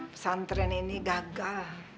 pesantren ini gagal